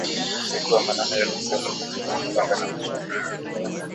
usiku wa manane yaliyofanywa kwa kutumia mapanga na mashoka